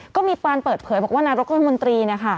ก็มีปานเปิดเผยบอกว่านายกรัฐมนตรี